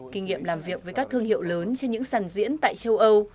kinh nghiệm làm việc với các thương hiệu lớn trên những sàn diễn tại châu âu